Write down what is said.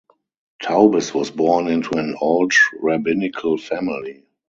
Taubes was born into an old rabbinical family.